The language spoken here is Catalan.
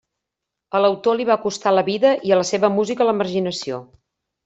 A l'autor li va costar la vida i a la seva música la marginació.